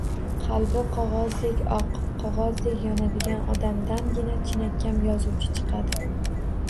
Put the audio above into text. Qalbi qog’ozdek oq, qog’ozdek yonadigan odamdangina chinakam yozuvchi chiqadi.